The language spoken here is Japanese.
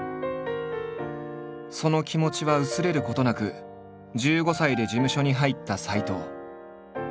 その気持ちは薄れることなく１５歳で事務所に入った斎藤。